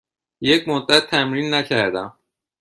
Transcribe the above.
یک مدت تمرین نکردم.